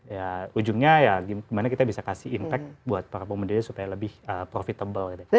ya ujungnya ya gimana kita bisa kasih impact buat para pemudanya supaya lebih profitable gitu